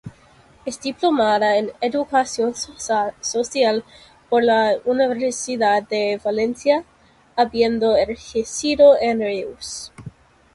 Es diplomada en Educación Social por la Universidad de Valencia, habiendo ejercido en Reus.